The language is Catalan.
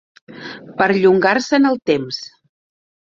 Perllongar-se en el temps.